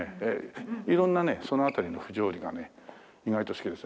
色んなねその辺りの不条理がね意外と好きです。